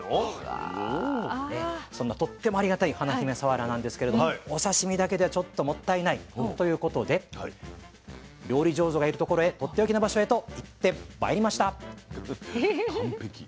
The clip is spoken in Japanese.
でそんなとってもありがたい華姫さわらなんですけれどもお刺身だけではちょっともったいないということで料理上手がいるところへとっておきの場所へと行ってまいりました。